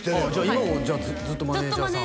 今もずっとマネージャーさんを？